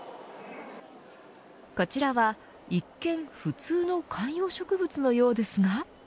こちらは、一見普通の観葉植物のようですが。